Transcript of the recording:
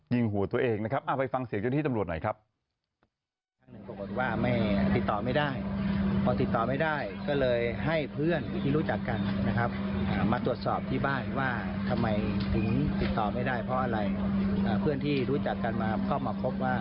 ยิงหัวตัวเองนะครับเอาไปฟังเสียงเจ้าที่ตำรวจหน่อยครับ